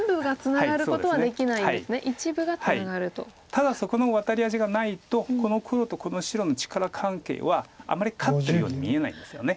ただそこのワタリ味がないとこの黒とこの白の力関係はあまり勝ってるように見えないんですよね。